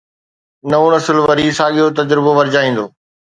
نئون نسل وري ساڳيو تجربو ورجائيندو.